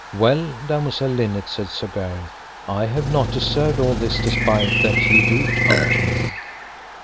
Well, damosel Linet, said Sir Gareth, I have not deserved all this despite that ye do unto me.